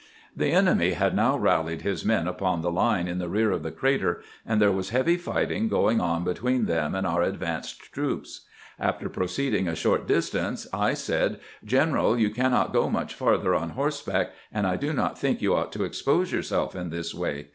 The enemy had now rallied his men upon the line in the rear of the crater, and there was heavy fighting go ing on between them and our advanced troops. After proceeding a short distance I said :" Greneral, you can not go much farther on horseback, and I do not think you ought to expose yourself in this way.